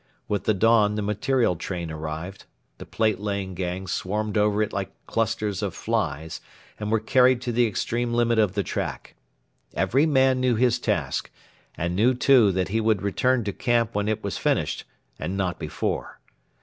With the dawn the 'material' train arrived, the platelaying gangs swarmed over it like clusters of flies, and were carried to the extreme limit of the track. Every man knew his task, and knew, too, that he would return to camp when it was finished, and not before.